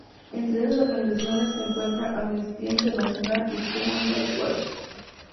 Entre esas organizaciones se encuentra Amnistía Internacional y Human Rights Watch.